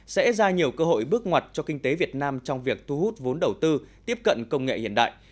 sẽ ra nhiều cơ hội bước ngoặt cho kinh tế việt nam trong việc thu hút vốn đầu tư tiếp cận công nghệ hiện đại